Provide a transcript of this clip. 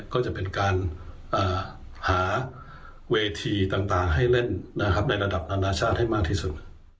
ก็จะเป็นการหาเวทีต่างให้เล่นในระดับนานาชาติให้มากที่สุด